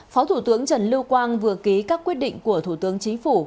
phó thủ tướng trần lưu quang vừa ký các quyết định của thủ tướng chính phủ